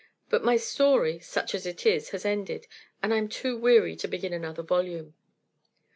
But my story, such as it is, has ended, and I'm too weary to begin another volume."